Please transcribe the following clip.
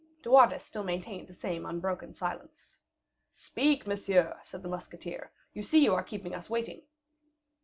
De Wardes still maintained the same unbroken silence. "Speak, monsieur," said the musketeer; "you see you are keeping us waiting."